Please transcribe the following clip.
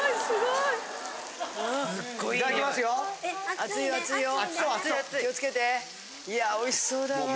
いやおいしそうだよな。